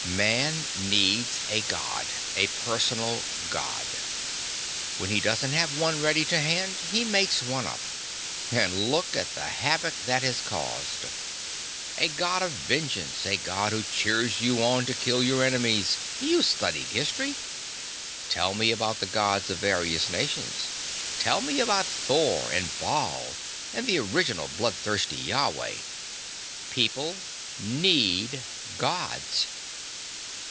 "Man needs a god, a personal god. When he doesn't have one ready to hand, he makes one up and look at the havoc that has caused. A god of vengeance, a god who cheers you on to kill your enemies.... You've studied history. Tell me about the gods of various nations. Tell me about Thor and Baal and the original bloodthirsty Yahweh. People need gods."